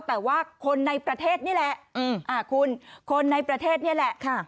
แต่ว่าคนในประเทศนี่แหละคุณคนในประเทศนี่แหละ